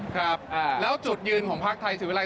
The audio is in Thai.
ครับแล้วจุดยืนของภาคไทยศิวิรัย